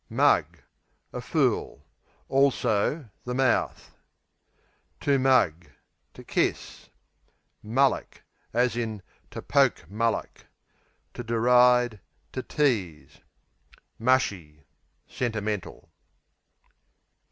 Mug A fool; also the mouth. Mug, to To kiss. Mullock, to poke To deride; to tease. Mushy Sentimental.